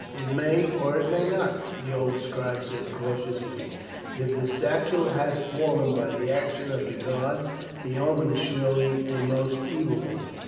"It may, or it may not," the old scribe said cautiously; "if the statue has fallen by the action of the gods the omen is surely a most evil one."